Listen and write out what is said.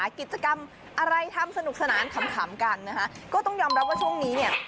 กิจกรรมอะไรทำสนุกสนานขำกันนะคะก็ต้องยอมรับว่าช่วงนี้เนี่ย